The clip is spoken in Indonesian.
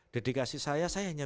dedikasi saya saya hanya